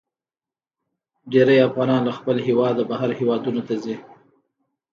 ډیرې افغانان له خپل هیواده بهر هیوادونو ته ځي.